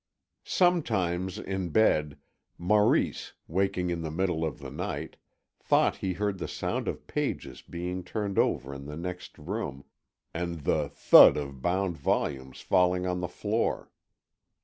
Sometimes, in bed, Maurice, waking in the middle of the night, thought he heard the sound of pages being turned over in the next room, and the thud of bound volumes falling on the floor.